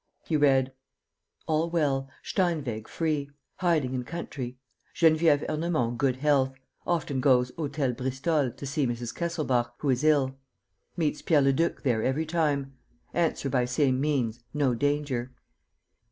He read: "All well. Steinweg free. Hiding in country. Geneviève Ernemont good health. Often goes Hôtel Bristol to see Mrs. Kesselbach, who is ill. Meets Pierre Leduc there every time. Answer by same means. No danger."